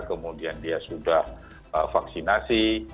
kemudian dia sudah vaksinasi